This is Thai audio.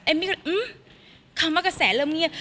เอ็มมี่ก็อื้มคำว่ากระแสเริ่มเงียบ